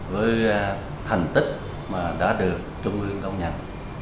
với thành tích mà đã được trung ương công nhận